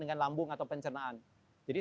dengan lambung atau pencernaan jadi